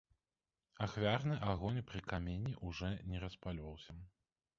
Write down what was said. Ахвярны агонь пры камені ўжо не распальваўся.